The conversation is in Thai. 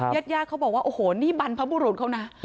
ยัดยากเขาบอกว่านี่บรรพบุรุษเขานะ